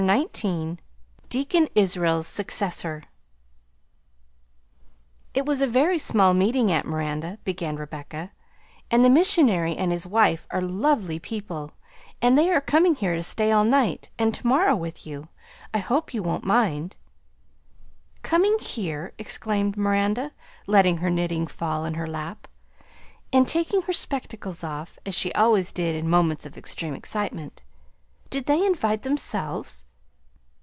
XIX DEACON ISRAEL'S SUCCESSOR "It was a very small meeting, aunt Miranda," began Rebecca, "and the missionary and his wife are lovely people, and they are coming here to stay all night and to morrow with you. I hope you won't mind." "Coming here!" exclaimed Miranda, letting her knitting fall in her lap, and taking her spectacles off, as she always did in moments of extreme excitement. "Did they invite themselves?"